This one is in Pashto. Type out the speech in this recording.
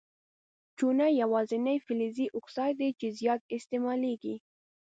چونه یوازیني فلزي اکساید دی چې زیات استعمالیږي.